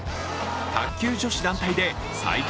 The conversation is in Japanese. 卓球女子団体で最強